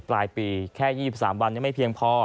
ปลายปีแค่๒๓วันยังไม่เพียงพอ